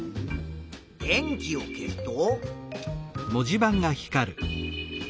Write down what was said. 電気を消すと。